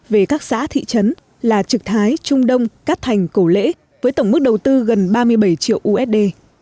về các xã thị trấn là trực thái trung đông cát thành cổ lễ với tổng mức đầu tư gần ba mươi bảy triệu usd